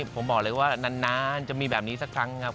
ผมบอกเลยว่านานจะมีแบบนี้สักครั้งครับ